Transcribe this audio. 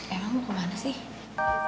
emang mau kemana sih